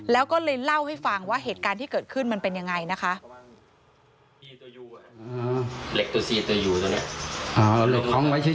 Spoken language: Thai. แล้วก็เลยเล่าให้ฟังว่าเหตุการณ์ที่เกิดขึ้นมันเป็นยังไงนะคะ